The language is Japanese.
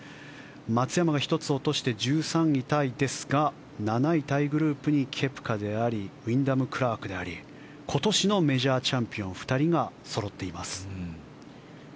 松山が１つ落として１３位タイですが７位タイグループにケプカでありウィンダム・クラークであり今年のメジャーチャンピオン２人がそろっています。